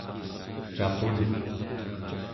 capun